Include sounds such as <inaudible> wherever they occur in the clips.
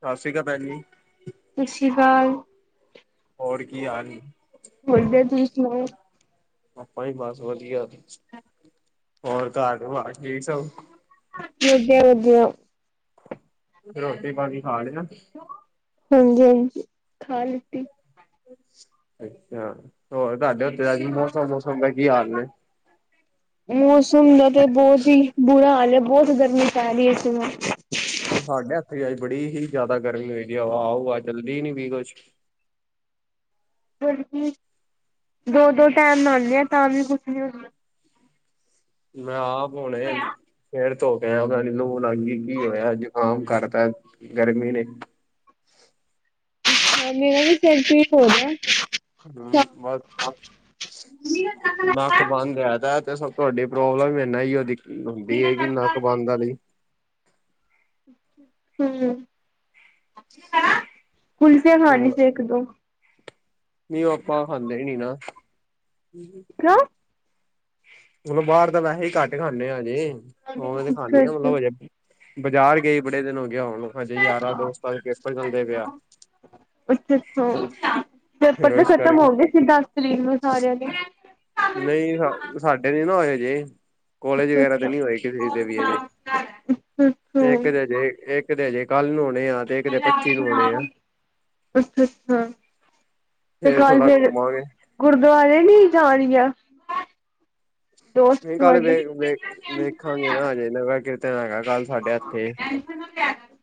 ਸਤਿ ਸ੍ਰੀ ਅਕਾਲ ਭੈਣ ਜੀ। ਸਤਿ ਸ੍ਰੀ ਅਕਾਲ। ਹੋਰ ਕੀ ਹਾਲ ਵਧੀਆ ਤੁਸੀਂ ਸੁਣਾਓ ਆਪਾਂ ਵੀ ਬਸ ਵਧੀਆ। <inaudible> ਹੋਰ ਘਰ-ਬਾਰ। ਵਧੀਆ-ਵਧੀਆ ਰੋਟੀ-ਪਾਣੀ ਖਾ ਲਿਆ। ਹਾਂਜੀ-ਹਾਂਜੀ ਖਾ ਲਿੱਤੀ। ਅੱਛਾ, ਹੋਰ ਤੁਹਾਡੇ- ਉੱਥੇ ਅੱਜ ਮੌਸਮ ਮੌਸਮ ਦਾ ਕੀ ਹਾਲ ਨੇ ਮੌਸਮ ਦਾ ਤੇ ਬਹੁਤ ਹੀ ਬੁਰਾ ਹਾਲ ਹੈ। ਬਹੁਤ ਗਰਮੀ ਪੈ ਰਹੀ ਆ ਇੱਥੇ। ਸਾਡੇ ਇੱਥੇ ਅੱਜ ਬੜੀ ਹੀ ਜਿਆਦਾ ਗਰਮੀ ਹੋਈ ਦੀ ਆ ਹਵਾ ਹੁਆ ਚਲਦੀ ਵੀ ਨੀ ਕੁਛ। ਬਲਕਿ ਦੋ-ਦੋ ਟਾਈਮ ਨਹਾਉਂਦੇ ਆ ਤਾਂ ਵੀ ਕੁਛ ਨੀ ਹੁੰਦਾ। ਮੈਂ ਆਪ ਹੋਣੇ ਫੇਰ- ਧੋ ਕੇ ਉਹੀ ਲੋੂ ਲੱਗ ਗਈ ਕੀ ਹੋਇਆ, ਜ਼ੁਕਾਮ ਕਰਤਾ ਗਰਮੀ ਨੇ ਹਾਂ, ਮੇਰਾ ਵੀ ਸਿਰ ਪੀੜ ਹੋ ਰਿਹਾ। ਹੂ, ਬਸ ਨੱਕ ਬੰਦ ਰਹਿੰਦਾ। ਸਭ ਤੁਹਾਡੀ ਪ੍ਰੋਬਲਮ ਇੰਨਾ ਈ ਉਹਦੀ - ਹੈ ਗਈ ਨੱਕ ਬੰਦ ਆਲੀ। ਹੂ। ਕੁਲਫੀਆਂ ਖਾ ਲਈ ਸੀ ਇੱਕ-ਦੋ। ਨਹੀ ਆਪਾਂ ਖਾਂਦੇ ਨੀ ਨਾ। ਹੂੰ। ਕਿਉਂ? ਥੋੜਾ ਬਾਹਰ ਦਾ ਵੈਸੇ ਹੀ ਘੱਟ ਖਾਣੇ ਆ ਅਜੇ। ਉਵੇਂ ਤੇ ਖਾਣੇ ਆ ਅੱਛਾ-ਅੱਛਾ, ਮਤਲਬ ਹਜੇ। ਬਾਜ਼ਾਰ ਗਏ ਬੜੇ ਦਿਨ ਹੋਗੇ। ਹੁਣ ਹਜੇ ਯਾਰਾਂ ਦੋਸਤਾਂ ਦੇ ਪੇਪਰ ਚੱਲਦੇ ਪਿਆ ਅੱਛਾ-ਅੱਛਾ। ਪੇਪਰ ਫੇਰ ਤੇ ਇਸ ਖਤਮ ਕਰਕੇ ਹੋ ਗਏ ਸੀ ਦਸ ਤਰੀਕ ਨੂੰ ਸਾਰਿਆਂ ਦੇ। ਨਹੀਂ। ਸਾਡੇ ਨੀ ਨਾ ਹੋਏ ਹਜੇ। ਕੋਲੇਜ ਵਗੈਰਾ ਤੇ ਅੱਛਾ-ਅੱਛਾ, ਨੀ ਹੋਏ ਕਿਸੇ ਦੇ ਵੀ ਹਜੇ ਇੱਕ ਅੱਛਾ-ਅੱਛਾ। ਤੇ ਹਜੇ ਇੱਕ ਤੇ ਹਜੇ। ਕੱਲ ਨੂੰ ਹੁਣ। ਅੱਛਾ ਅੱਛਾ ਤੇ ਫੇਰ ਕੱਲ ਥੋੜਾ ਫਿਰ ਘੁੰਮਾਂਗੇ ਗੁਰਦੁਆਰੇ ਨੀ ਜਾਣੀਆ। ਹੈ। ਨੀ ਕੱਲ ਵ ਵ ਵੇਖਾਂਗੇ ਨਾ ਅਜੇ ਇਹਨਾ ਦਾ ਕੇ। ਕਿੱਥੇ ਦਾ ਹੈਗਾ। ਕੱਲ ਹਾ ਸਾਡੇ ਹਾ ਇੱਥੇ ਟੈਨਸਨ ਨਾ ਲੈਆ ਕਰ।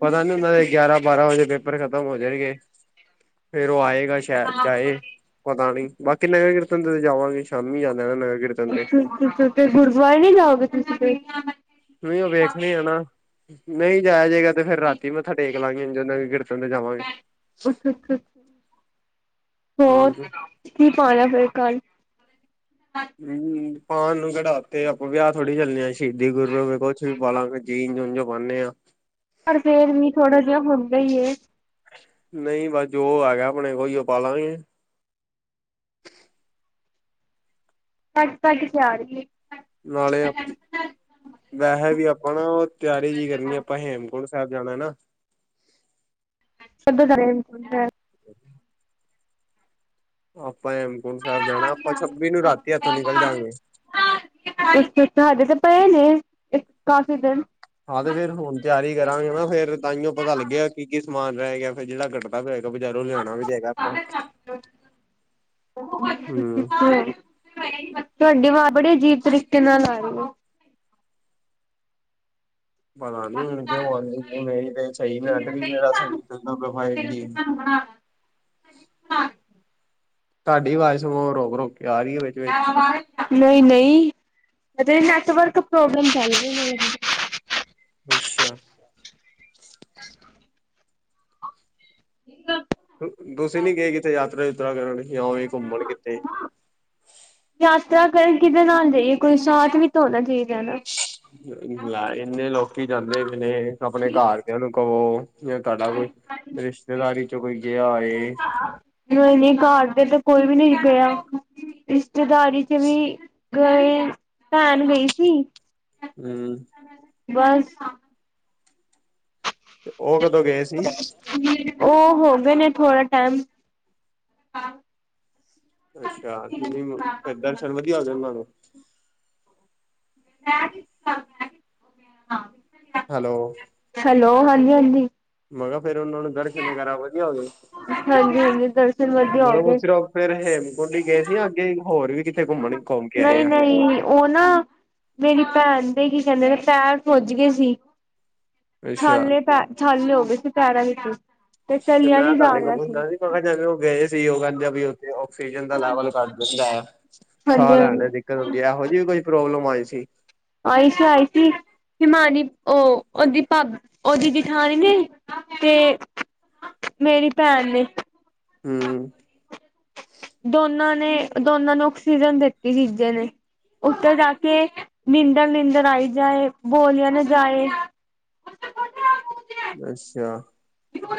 ਪਤਾ ਨੀ ਉਹਨਾਂ ਦੇ ਗਿਆਰਾਂ ਬਾਰਾਂ ਵਜੇ ਪੇਪਰ ਖਤਮ ਹੋ ਜਾਏਗੇ ਫੇਰ ਉਹ ਆਏ। ਸ਼ਹਿਰ ਜਾਏ ਪਤਾ ਨੀ ਬਾਕੀ ਤੇ ਏ। ਅਸੀਂ ਅੰਦਰ ਜਾਵਾਂਗੇ ਸ਼ਾਮੀ ਜਾਂਦਾ ਨਾ ਮੈਂ। ਅੱਛਾ ਅੱਛਾ ਫੇਰ ਗੁਰਦੁਆਰੇ ਨੀ ਜਾਓਗੇ ਤੁਸੀਂ। ਤੁਸੀਂ। ਨਹੀਂ ਉਹ ਵੇਖਣੀ ਆ ਨਾ ਨਹੀਂ ਜਾਇਆ ਜੇਗਾ ਤੇ ਫੇਰ ਰਾਤੀ ਮੈਂ ਮੱਥਾ ਟੇਕ ਲਾਂਗੇ ਜਦੋਂ ਵੀ ਫੇਰ। ਚਲੇ ਜਾਵਗੇ। ਅੱਛਾ-ਅੱਛਾ ਹੋਰ ਕੀ ਪਾਉਣਾ ਫਿਰ ਕੱਲ। ਹੂੰ ਪਾਉਣ ਨੂੰ ਫੇਰ। ਉੱਥੇ ਆਪਾਂ ਵਿਆਹ ਥੋੜ੍ਹੀ ਚੱਲੇ ਹਾਂ। ਸ਼ਹੀਦੀ ਗੁਰੂ ਵੀ ਕੁਝ ਵੀ ਪਾਲਾ ਗੇ ਜੀਨ ਜੁਨ ਜੋ। ਪਾਉਣੇ ਹਾਂ। ਪਰ ਫਿਰ ਵੀ ਥੋੜਾ ਜਿਹਾ ਹੁੰਦਾ ਈ। ਨਹੀਂ ਬਸ ਜੋ ਹੈਗਾ ਉਹੀ ਪਾਲਾਂਗੇ। ਭੱਜ ਭੱਜ ਕੇ ਆ ਰਹੀ ਏ ਨਾ। ਨਾਲੇ ਵੈਸੇ ਵੀ ਆਪਾਂ ਨਾ । ਤਿਆਰੀ ਜੀ ਕਰਨੀ ਆਪਾਂ ਹੇਮਕੁੰਟ ਸਾਹਿਬ। ਸਾਹਿਬ ਜਾਣਾ ਨਾ। ਸਭੇ ਕਰੇ <unintelligible> ਸਾਹਿਬ ਜਾਣਾ ਆਪਾਂ ਛੱਬੀ ਨੂੰ ਰਾਤੀ ਇੱਥੋਂ ਨਿਕਲ ਜਾਂਗੇ ਸਾਡੇ ਤਾਂ ਪਏ ਨੇ। ਇੱਕ ਕਾਫੀ ਦਿਨ ਹਾਂ ਤੇ ਫਿਰ ਹੁਣ ਤਿਆਰੀ ਕਰਾਂਗੇ, ਫਿਰ ਤਾਂਹੀਉ ਪਤਾ ਲਗਿਆ ਕੀ ਕੀ ਸਮਾਨ ਰਹਿ ਗਿਆ, ਫਿਰ ਜਿਹੜ ਘੱਟਦਾ ਪਿਆ ਬਜ਼ਾਰੋਂ ਲਿਆਣਾ ਵੀ ਤੇ ਹੈਗਾ ਆਪਾਂ ਹੂੰ ਤੁਹਾਡੀ ਆਵਾਜ਼ ਬੜੇ ਅਜੀਬ ਤਰੀਕੇ ਨਾਲ ਆ ਰਹੀ ਏ। ਪਤਾ ਨੀ ਹੁਣ ਕਿਉ ਆਵਾਜ਼ ਸਹੀ ਨਹੀਂ ਆ ਰਹੀ ਨਹੀਂ, ਨੈੱਟ ਵੀ ਮੇਰਾ ਸਹੀ ਚੱਲਦਾ ਪਿਆ, ਫਾਇਵ ਜੀ ਤੁਹਾਡੀ ਆਵਾਜ਼ ਸਗੋਂ ਰੁਕ ਰੁਕ ਕੇ ਆ ਰਹੀ ਹੈ ਵਿੱਚ ਵਿੱਚ ਨਹੀਂ ਨਹੀਂ। ਇੱਥੇ ਨੈਟਵਰਕ ਪ੍ਰੋਬਲਮ। <unintelligible> ਅੱਛਾ। <unintelligible> ਤੁਸੀਂ ਨੀ ਗਏ ਕਿਤੇ ਯਾਤਰਾ ਯਾਤਰਾ ਕਰਨ । ਘੁੰਮਣ ਕਿਤੇ ਕਿਦੇ ਨਾਲ ਜਾਈਏ, ਕੋਈ ਸਾਥ ਵੀ ਤਾਂ ਹੋਣਾ ਚਾਹੀਦਾ ਨਾ। ਲੈ ਇੰਨੇ ਲੋਕੀ ਜਾਂਦੇ ਵੀ ਨੇ ਆਪਣੇ ਘਰਦਿਆਂ ਨੂੰ ਕਹੋ। ਜਾਂ ਤੁਹਾਡਾ ਕੋਈ ਰਿਸ਼ਤੇਦਾਰੀ ਚੋਂ ਕੋਈ ਗਿਆ ਹੋਏ। ਇੰਨੀ ਘਰ ਤੇ, ਤੇ ਕੋਈ ਵੀ ਨੀ ਗਿਆ। ਰਿਸ਼ਤੇਦਾਰੀ ਚ ਵੀ ਗਏ ਭੈਣ ਗਈ ਸੀ। ਹੂੰ। ਬਸ ਤੇ ਉਹ ਕਦੋਂ ਗਏ ਸੀ? ਉਹ ਹੋ ਗਏ ਨੇ ਥੋੜਾ ਟਾਈਮ ਅੱਛਾ, ਦਰਸ਼ਨ ਵਧੀਆ ਹੋ ਗਏ ਤੁਹਾਨੂੰ। <unintelligible> ਹੈਲੋ। ਹੈਲੋ, ਹਾਂਜੀ ਹਾਂਜੀ। ਮੈਂ ਕਿਹਾ ਫੇਰ ਉਹਨਾਂ ਨੂੰ ਦਰਸ਼ਨ ਵਗੈਰਾ ਵਧੀਆ ਹੋ ਗਏ ਹਾਂਜੀ ਹਾਂਜੀ ਦਰਸ਼ਨ । ਵਧੀਆ ਹੋ ਮਤਲਬ ਗਏ। ਸਿਰਫ ਫੇਰ ਹੇਮਕੁੰਟ ਹੀ ਗਏ ਸੀ, ਅੱਗੇ ਹੋਰ ਵੀ ਕਿੱਥੇ ਘੁੰਮਣ ਘੁੰਮ ਕੇ ਆਏ ਨਹੀਂ ਆ ਨਹੀਂ ਉਹ ਨਾ ਮੇਰੀ ਭੈਣ ਦੇ ਕੀ ਕਹਿੰਦੇ, ਪੈਰ ਸੁੱਜ ਗਏ ਸੀ। ਅੱਛਾ ਛਾਲੇ ਪੈ ਛਾਲੇ ਹੋ ਗਏ ਸੀ ਪੈਰਾਾਂ ਚ। <unintelligible> ਤੇ ਮੈਂ ਤੁਹਾਡੇ ਕੋਲ ਪੁੱਛਦਾ ਸੀ ਮੈਂ ਕਿਹਾ ਜਿਵੇ ਉਹ ਗਏ ਸੀ ਉਹ ਕਹਿੰਦੇ ਵੀ ਉੱਥੇ ਆਕਸੀਜਨ ਦਾ ਲੈਵਲ ਘਟ ਹੁੰਦਾ ਐ ਹਾਂਜੀ ਸਾਹ ਲੈਣ ਲਈ ਹਾਂਜੀ ਦਿੱਕਤ ਹੁੰਦੀ ਹੈ ਇਹੋ ਜਿਹੀ ਕੋਈ ਪ੍ਰੋਬਲਮ ਪ੍ਰੋਬਲਮ ਆਈ ਸੀ ਆਈ ਸੀ ਆਈ ਸੀ ਹਿਮਾਨੀ ਉਹ ਓਦੀ ਭਾਭ ਓਦੀ ਜਠਾਣੀ ਨੇ ਤੇ ਮੇਰੀ ਭੈਣ ਨੇ ਹਮ ਦੋਨਾਂ ਨੇ ਦੋਨਾਂ ਨੂੰ ਆਕਸੀਜਨ ਦਿੱਤੀ ਤੀਜੇ ਦਿਨ ਉੱਥੇ ਜਾ ਕੇ ਨੀਂਦਰ ਨੀਦਰ ਆਈ ਜਾਏ ਬੋਲਿਆ ਨਾ ਜਾਏ ਅੱਛਾ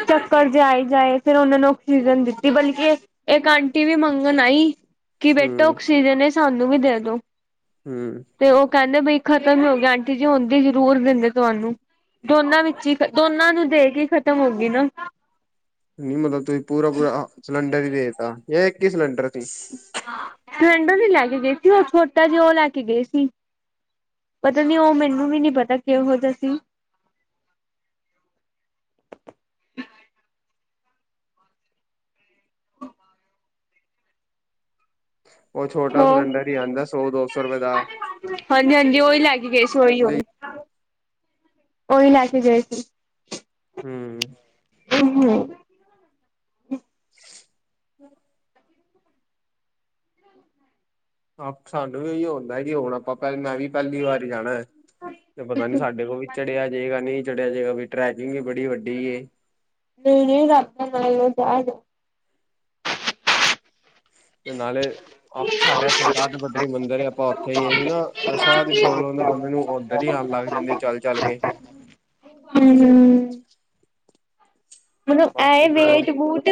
ਚੱਕਰ ਜੇ ਆਈ ਜਾਏ ਫੇਰ ਉਹਨਾਂ ਨੂੰ ਆਕਸੀਜਨ ਦਿੱਤੀ ਬਲਕਿ ਇੱਕ ਆਂਟੀ ਵੀ ਮੰਗਣ ਆਈ ਕਿ ਬੇਟਾ ਹੂੰ ਔਕਸੀਜਨ ਇਸ ਸਾਨੂੰ ਵੀ ਦੇ ਦੋ ਹੂੰ ਤੇ ਉਹ ਕਹਿੰਦੇ ਬਈ ਖਤਮ ਹੀ ਹੋ ਗਿਆ ਆਂਟੀ ਜੀ ਹੁੰਦੀ ਜ਼ਰੂਰ ਦਿੰਦੇ ਤੁਹਾਨੂੰ ਦੋਨਾਂ ਵਿੱਚ ਹੀ ਖਤਮ ਦੋਨਾਂ ਨੂੰ ਦੇ ਕੇ ਖਤਮ ਖਤਮ ਹੋਗੀ ਨਾ ਨਹੀਂ ਮਤਲਬ ਤੁਸੀਂ ਪੂਰਾ ਪੂਰਾ ਚਲੰਨ ਵੀ ਦੇਤਾ ਇਹ ਇਕੀ ਸਲੰਡਰ ਹਾਂ <unintelligible> ਮੈਨੂੰ ਨੀ ਲੈ ਕੇ ਗਏ ਸੀ ਉਹ ਛੋਟਾ ਜਿ ਉਹ ਲੈ ਕੇ ਗਏ ਸੀ ਪਤਾ ਨੀ ਉਹ ਮੈਨੂੰ ਵੀ ਨੀ ਪਤਾ ਕਿਹੋ ਜਿਹਾ ਸੀ ਉਹ ਛੋਟਾ ਹੋਰ ਸਿਲੰਡਰ ਹੀ ਆਉਂਦਾ ਸੌ ਦੋ ਸੌ ਰੁਪਏ ਦਾ ਹਾਂਜੀ ਹਾਂਜੀ ਉਹੀ ਲੈ ਕੇ ਗਏ ਸੀ ਓਹੀ ਓ ਉਹੀ ਲੈ ਕੇ ਗਏ ਸੀ ਹਮ ਹਮ <unintelligible> ਹ ਸਾਨੂੰ ਵੀ ਇਹੀ ਹੁੰਦਾ ਜੀ ਹੁਣ ਆਪਾਂ ਪਹਿ ਮੈਂ ਵੀ ਪਹਿਲੀ ਵਾਰੀ ਜਾਣੈਂ ਤੇ ਪਤਾ ਨੀ ਸਾਡੇ ਕੋਲ ਵੀ ਚੜਿਆ ਜੇਗਾ ਨਹੀਂ ਚੜਿਆ ਜਏਗਾ ਵੀ ਟਰੈਕਿੰਗ ਵੀ ਬੜੀ ਵੱਡੀ ਏ ਨਹੀਂ ਨਹੀਂ ਰਬ ਦਾ ਨਾਂ ਲੌ ਤੇ ਅਜਾਓ ਤੇ ਨਾਲੇ ਆਪ ਸਾਡੇ ਇਥੇ ਕਾਧ ਬਦਰੀ ਮੰਦਿਰ ਹੈ ਆਪਾਂ ਉੱਥੇ ਹੀ ਸੀ ਨਾ ਸਾਹ ਦੀ ਪ੍ਰੋਬਲਮ ਬੰਦੇ ਨੂੰ ਓਧਰ ਹੀ ਆਉਣ ਲੱਗ ਜਾਂਦੀ ਏ ਚੱਲ ਚੱਲ ਕੇ ਹਮ ਹਮ ਮਤਲਬ ਐਏ ਬਾਕੀ ਚਲੋ ਵੇਟ ਵੂਟ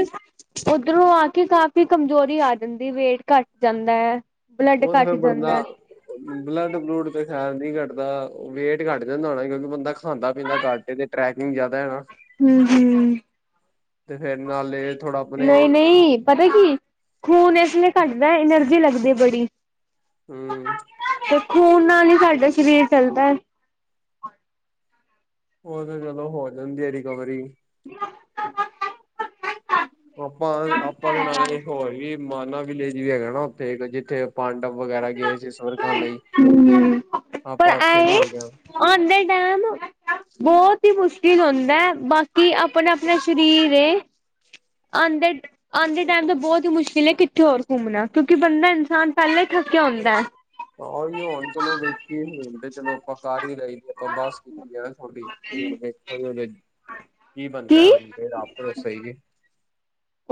ਉੱਧਰੋਂ ਆ ਕੇ, ਕਿ ਕਾਫ਼ੀ ਕਮਜ਼ੋਰੀ ਆ ਜਾਂਦੀ ਵੇਟ ਘੱਟ ਜਾਂਦਾ ਹੈ। ਬਲੱਡ ਉਹ ਤੇ ਘੱਟ ਫਿਰ ਬੰਦਾ ਜਾਂਦਾ ਬਲੱਡ ਬਲੂਡ ਤੇ, ਖੈਰ ਨੀ ਘਟਦਾ ਵੇਟ ਘਟ ਜਾਂਦਾ ਹੋਣਾ ਕਿਉਂਕਿ ਬੰਦਾ ਖਾਂਦਾ ਪੀਂਦਾ ਘੱਟ ਏ ਤੇ ਟਰੈਕਿੰਗ ਜ਼ਿਆਦਾ ਹੈ ਨਾ ਹੂੰ-ਹੂੰ ਤੇ ਫੇਰ ਨਾਲੇ ਥੋੜਾ ਆਪਣੇ ਨਹੀਂ-ਨਹੀਂ ਪਤਾ ਕੀ ਖੂਨ ਇਸ ਲਈ ਘੱਟਦਾ ਐਨਰਜੀ ਲੱਗਦੀ ਐ ਬੜੀ, ਹੂੰ, ਤੇ ਖੂਨ ਨਾਲ ਹੀ ਸਾਡਾ ਸਰੀਰ ਚੱਲਦਾ ਐ। ਉਹ ਤੇ ਚਲੋ ਹੋ ਜਾਂਦੀ ਹੈ ਰਿਕਵਰੀ <unintelligible> ਆਪਾਂ-ਆਪਾਂ ਦੇ ਨਾਲੇ ਹੋਰ ਵੀ, ਮਾਨਾ ਵਿਲੇਜ ਵੀ ਹੈਗਾ ਨਾ ਉੱਥੇ ਜਿੱਥੇ ਪਾਂਡਵ ਵਗੈਰਾ ਗਏ ਸੀ ਸਵਰ ਖਾਣ ਲਈ ਪਰ ਆਪਾਂ ਉੱਥੇ ਵੀ ਐਏ ਹੋ ਗਿਆ। ਆਂਦੇ ਟਾਈਮ ਬਹੁਤ ਹੀ ਮੁਸ਼ਕਿਲ ਕੀ ਹੁੰਦਾ ਬਾਕੀ ਆਪਣਾ-ਆਪਣਾ ਸਰੀਰ ਐ। ਆਦੇ-ਆਦੇ ਟਾਈਮ ਤਾਂ ਬਹੁਤ ਹੀ ਮੁਸ਼ਕਿਲ ਹੈ ਕਿ, ਥੋੜਾ ਹੋਰ ਘੁੰਮਣਾ ਕਿ ਬੰਦਾ ਇਨਸਾਨ ਪਹਿਲਾਂ ਹੀ ਥੱਕਿਆ ਹੁੰਦਾ ਹੈ। ਆਹ ਹੁਣ ਚਲੋ ਵੇਖੀ ਹੁਣ ਤੇ ਚਲੋ ਆਪਾਂ ਕਾਰ ਹੀ ਲਏ ਆਪਾਂ ਬੱਸ ਕੀਤੀ ਜਾ ਤੁਸੀ ਵੇਖਾਂ ਉਹ ਕੀ ਬੰਦਾ ਭਰੋਸੇ ਹੀ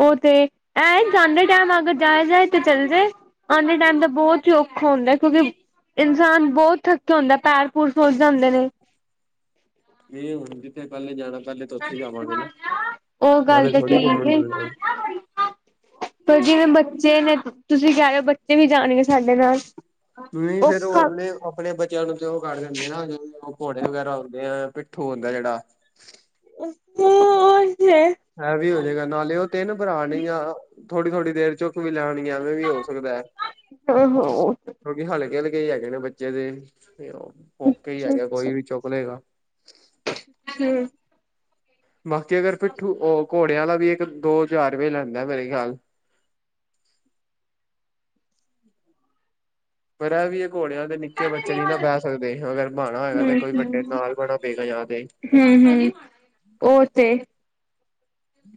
ਉਹ ਤੇ ਐ ਆਦੇ ਟਾਈਮ ਅਗਰ ਜਾਇ ਜਾਏ ਤੇ ਚੱਲ ਜਾਏ ਆਂਦੇ ਟਾਈਮ ਦਾ ਬਹੁਤ ਹੀ ਔਖਾ ਹੁੰਦਾ ਕਿਉਂਕਿ ਇਨਸਾਨ ਬਹੁਤ ਥੱਕਿਆ ਹੁੰਦਾ ਪੈਰ ਬਹੁਤ ਸੁਜ ਜਾਂਦੇ ਨੇ। ਨਹੀਂ ਹੁਣ ਜਿੱਥੇ ਕੱਲੇ ਜਾਣਾ, ਪਹਿਲੇ ਤਾਂ ਉੱਥੇ ਜਾਵਾਂਗੇ ਨਾ ਉਹ ਗੱਲ ਪਹਿਲੇ ਤਾਂ ਥੋੜ੍ਹੀ ਘੁੰਮਣ ਠੀਕ ਚੱਲਾਂਗੇ। ਪਰ ਜਿਵੇਂ ਬੱਚੇ ਨੇ, ਤੁਸੀਂ ਕਹਿ ਰਹੇ ਹੋ ਬੱਚੇ ਵੀ ਜਾਣਗੇ ਸਾਡੇ ਨਾਲ ਨਹੀਂ ਫੇਰ ਉਹ ਔਖਾ ਆਪਣੇ ਆਪਣੇ ਬੱਚਿਆਂ ਨੂੰ ਤੇ ਔ ਕਰ ਦਿੰਦੇ ਨਾ ਜ ਘੋੜੇ ਵਗੈਰਾ ਆਉਂਦੇ ਆ ਪਿੱਠੂ ਹੁੰਦਾ ਜਿਹੜਾ ਮੋਰ, ਐ ਵੀ ਹੋਜੇਗਾ ਨਾਲੇ ਉਹ ਤਿੰਨ ਭਰਾ ਨੇ ਜਾਂ, ਥੋੜੀ-ਥੋੜੀ ਦੇਰ ਚੁੱਕ ਵੀ ਲੈਣੀ। ਵੀ ਹੋ ਸਕਦਾ ਹੈ ਹੂੰ ਕਿਉਂਕਿ ਹਲਕੇ-ਹਲਕੇ, ਕੀ ਹੈਗੇ ਨੇ ਬੱਚੇ ਦੇ, ਕੇ ਹੀ ਹੈਗੇ ਕੋਈ ਵੀ ਚੁੱਕਲੇਗਾ। ਹੈਲੋ, ਬਾਕੀ ਅਗਰ ਪਿੱਠੂ ਔ ਘੋੜਿਆਂ ਦਾ ਵੀ ਇੱਕ ਦੋ ਚਾਰ ਰੁਪਏ ਲੈਂਦਾ ਮੇਰੇ ਖਿਆਲ ਪਰ ਐ ਵੀ ਏ ਘੋੜਿਆਂ ਤੇ ਨਿੱਕੇ ਬੱਚੇ ਨੀ ਨਾ ਬਹਿ ਸਕਦੇ ਅਗਰ ਬਣਾ ਹੈਗਾ ਤੇ ਹੂੰ ਕੋਈ ਵੱਡੇ ਹੂੰ ਨਾਲ ਬਣਾ ਪਏਗਾ। ਹੂੰ-ਹੂੰ, ਉਹ ਤੇ ਹੂੰ,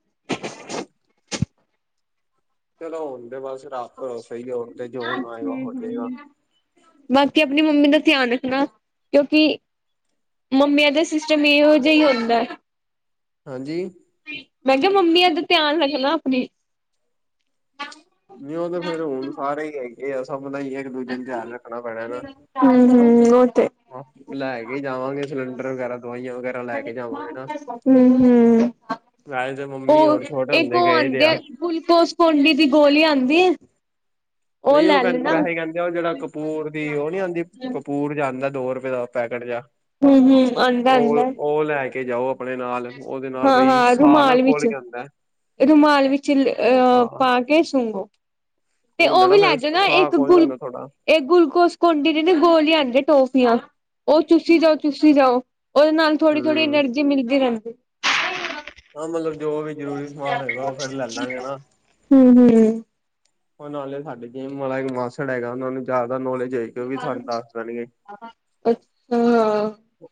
<inaudible> ਚਲੋ ਹੋਣ ਦੇ ਬਸ ਰੱਬ ਭਰੋਸੇ ਹੀ ਆ, ਹੁਣ ਤੇ ਜੋ ਹੁਣ ਆਏਗਾ ਹੋ ਜਾਏਗਾ ਹੂ-ਹੂ, ਬਾਕੀ ਆਪਣੀ ਮੰਮੀ ਦਾ ਧਿਆਨ ਹਨਾ ਕਿਉਂਕਿ ਮੰਮੀਆਂ ਦਾ ਸਿਸਟਮ ਇਹੋ ਜਿਹੀ ਹੁੰਦਾ। ਹਾਂਜੀ। ਮੈਂ ਕਿਹਾ ਮੰਮੀ ਦਾ ਧਿਆਨ ਰੱਖਣਾ ਆਪਣੀ, ਨਹੀਂ ਉਹ ਤਾਂ ਫੇਰ ਹੁਣ ਸਾਰੇ ਹੀ ਹੈਗੇ ਆ ਸਾਨੂੰ ਮਤਲਬ ਇੱਕ ਦੂਜੇ ਨੂੰ ਧਿਆਨ ਰੱਖਣਾ ਪੈਣਾ ਗਾ। ਹੂੰ ਉ ਲੈ ਕੇ ਜਾਵਾਂਗੇ ਸਿਲੰਡਰ ਵਗੈਰਾ ਦਵਾਈਆਂ ਵਗੈਰਾ ਲੈ ਕੇ ਜਾਵਾਂਗੇ ਨਾ, ਹੂੰ-ਹੂੰ। ਵੈਸੇ ਤਾਂ ਮੰਮੀ ਉਹ ਹੋਰ ਛੋਟ ਇੱਕ ਹੁੰਦੇ ਉਹ ਗਏ ਤੇ ਆਉਂਦੇ ਆ ਗੁਲੂਕੋਸ ਕੌਡੀ ਦੀ ਗੋਲੀ ਆਉਂਦੀ ਹੈ। ਨਹੀਂ ਉਹ ਲੈ ਕਹਿੰਦੇ ਲੈਣਾ ਵੈਸੇ ਕਹਿੰਦੇ ਉਹ ਜਿਹੜਾ ਕਪੂਰ ਦੀ ਉਹ ਨੀ ਆਉਂਦੀ ਕਪੂਰ ਜਾਂਦਾ ਦੋ ਰੁਪਏ ਦਾ ਪੈਕਟ ਜਹਾ ਹੂੰ, ਹੂੰ, ਆਉਂਦਾ ਆਉਂਦਾ, ਲੈ ਕੇ ਜਾਓ, ਆਪਣੇ ਨਾਲ ਉਹਦੇ ਨਾਲ ਹਾਂ ਬਈ ਹਾਂ ਸਾਹ ਨਾ ਰੁਮਾਲ ਵਿੱਚ, ਖੁੱਲ ਜਾਂਦਾ ਰੁਮਾਲ ਵਿੱਚ ਅਹ ਹਾਂ ਪਾ ਕੇ ਸੁੰਗੋ ਤੇ ਉਹ ਹੁੰਦਾ ਵੀ ਲੈ ਫਿਰ ਜਾਓ ਨਾ ਸਾਹ ਇੱਕ ਖੁੱਲ ਗੁਲ, ਜਾਂਦਾ ਥੋੜਾ ਇਹ ਗੁਲੂਕੋਸ ਕੋਂਡੀ ਦੀਦੇ ਗੋਲੀ ਆਦੇ ਟੋਫ ਉਹ ਚੁਸੀ ਜਾਓ ਚੁਸੀ ਜਾਓ। ਉਹਦੇ ਨਾਲ ਥੋੜੀ ਥੋੜ੍ਹੀ ਹਮ ਨਰਜੀ ਮਿਲਦੀ ਰਹਿੰਦੀ ਹ <unintelligible> ਹਾਂ ਮਤਲਬ ਜੋ ਵੀ ਜ਼ਰੂਰੀ ਸਮਾਨ ਹੈਗਾ ਉਹ ਫਿਰ ਲੈ ਲਾਂਗੇ ਨਾ। ਹਮ ਹਮ ਉਹ ਨਾਲੇ ਸਾਡੇ ਜੇਮ ਵਾਲਾ ਇੱਕ ਮਾਸੜ ਹੈਗਾ ਉਹਨਾਂ ਨੂੰ ਜਾ ਨੌਲੇਜ ਹੈ ਕਿ ਉਹ ਵੀ ਸਾਨੂੰ ਦੱਸ ਦੇਣਗੇ, ਅੱਛਾ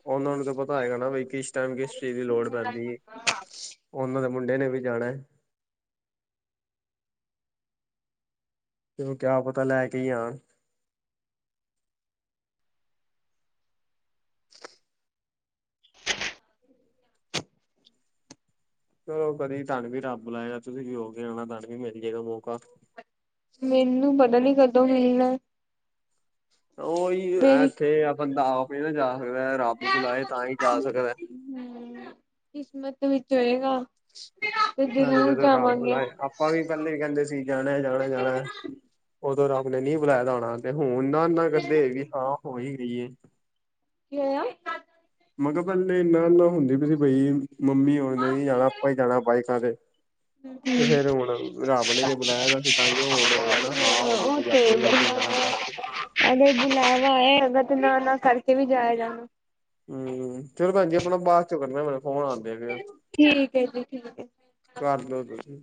ਉਹਨਾਂ ਨੂੰ ਤਾਂ ਪਤਾ ਹੈਗਾ ਨਾ ਬ ਕਿਸ ਟਾਈਮ ਕਿਸ ਚਰੀਜ਼ ਦੀ ਲੋੜ ਪੈਂਦੀ, ਉਹਨਾਂ ਦੇ ਮੁੰਡੇ ਨੇ ਵੀ ਜਾਣਾ, ਤੂੰ ਕਿਆ ਪਤਾ ਲੈ ਕੇ ਹੀ ਆਉਣ, ਚਲੋ ਕਦੀ ਤੁਹਾਨੂੰ ਵੀ ਰੱਬ ਲਾਏਗਾ ਤੁਸੀਂ ਜੋ ਕੇ ਆਉਣਾ ਤੁਹਾਨੂੰ ਵੀ ਮਿਲ ਜਾਏਗਾ ਮੌਕਾ ਮੈਨੂੰ ਪਤਾ ਨੀ ਕਦੋਂ ਹਣ ਉਹੀ ਇੱਥੇ ਆ ਬੰਦਾ ਆਪ ਨੀ ਨਾ ਜਾ ਦਾ ਰੱਬ ਬੁਲਾਏ ਤਾਂ ਹੀ ਜਾ ਸਕਦਾ, ਹਮ ਵਿੱਚ ਕਿਸਮਤ ਹੋਏਗਾ, ਹਾਂ ਤੇ ਜ਼ਰੂਰ ਜਦੋਂ ਰੱਬ ਜਾਵਾਂਗੇ ਲਾਏ ਆਪਾਂ ਵੀ ਪਹਿਲੇ ਵੀ ਕਹਿੰਦੇ ਸੀ ਜਾਣਾ ਜਾਣਾ ਜਾਣਾ ਉਦੋਂ ਰੱਬ ਨੇ ਨਹੀਂ ਬੁਲਾਏ ਹੋਣਾ ਹੁਣ ਨਾ ਨਾ ਕਦੇ ਵੀ ਹਾਂ ਹੋ ਹੀ ਗਈ ਏ। ਕੀ ਹੋਇਆ? ਮੈਂ ਕਿਹਾ ਪਹਿਲੇ ਨਾ ਨਾ ਸੀ ਹੁੰਦੀ ਬਈ ਪੲੀ, ਮੰਮੀ ਉਸਨੇ ਵੀ ਜਾਣਾ ਆਪਾਂ ਹੀ ਜਾਣਾ ਬਾਈਕਾਂ ਤੇ ਤੇ ਹੂੰ, ਫਿਰ ਹੁਣ ਰੱਬ ਨੇ ਜੇ ਬੁਲਾਇਆ ਤਾਂ ਸੀ ਤਾਂ ਕਿ ਹੁਣ ਹੋ ਜਾ ਨਾ ਹਾਂ ਹੋ ਉਹ ਗ ਤੇ ਆਪਾਂ ਵੀ ਉਹਦੇ ਤੇ ਜਾਣਾ ਬੁਲਾਵਾ ਬਸ ਅਗਰ ਬੁਲਾਵਾ ਆਏਗਾ ਤੇ ਨਾ ਨਾ ਕਰਕੇ ਵੀ ਜਾਇਆ ਜਾਣਾ ਮਤਬ ਬਾਅਦ ਚ ਕਰਨਾ ਆਉਂਦੇ ਪੇ ਠੀਕ ਹੈ ਜੀ ਠੀਕ ਹੈ। ਕਰ ਲਓ ਤੁਸੀਂ